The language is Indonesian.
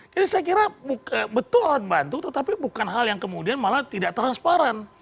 jadi saya kira betul alat bantu tetapi bukan hal yang kemudian malah tidak transparan